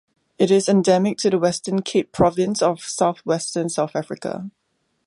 It is endemic to the Western Cape province of southwestern South Africa.